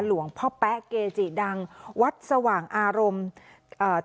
หลวงพ่อแป๊ะเกจิดังวัดสว่างอารมณ์เอ่อ